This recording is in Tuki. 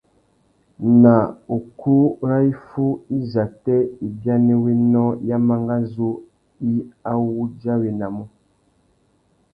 Nà ukú râ iffúh izâtê ibianéwénô ya mangazú i awudjawenamú?